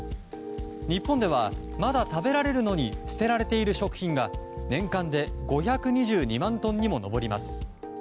日本では、まだ食べられるのに捨てられている食品が年間で５２２万トンにも上ります。